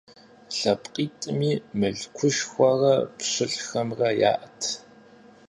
ЛъэпкъитӀми мылъкушхуэрэ пщылӀхэмрэ яӀэт.